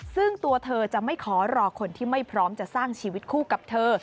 ซึ่งตัวเธอจะไม่ขอรอคนที่ไม่พร้อมจะสร้างชีวิตคู่กับเธอ